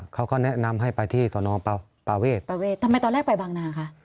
เขาก็แนะนำให้ไปที่สนประปาเวทประเวททำไมตอนแรกไปบางนาคะ